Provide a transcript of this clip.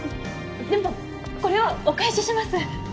でもこれはお返しします。